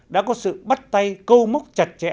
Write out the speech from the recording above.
đã có sự bắt tay câu mốc chặt chẽ